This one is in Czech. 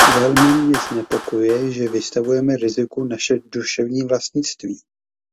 Velmi mne znepokojuje, že vystavujeme riziku naše duševní vlastnictví.